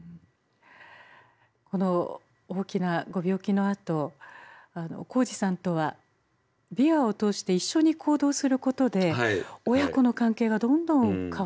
この大きなご病気のあと宏司さんとは琵琶を通して一緒に行動することで親子の関係がどんどん変わってきたんですね。